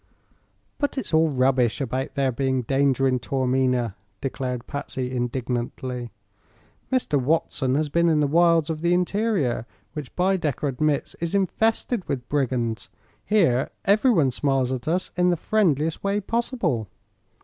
"But it's all rubbish about there being danger in Taormina," declared Patsy, indignantly. "Mr. Watson has been in the wilds of the interior, which Baedecker admits is infested with brigands. Here everyone smiles at us in the friendliest way possible."